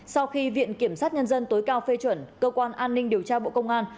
sau khi viện kiểm sát nhân dân tối cao phê chuẩn cơ quan an ninh điều tra bộ công an